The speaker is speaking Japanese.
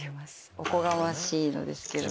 おこがましいのですけど。